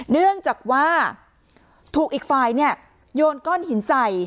เนื่องจากว่าถูกอีกฝ่ายโยนก้อนหินใส่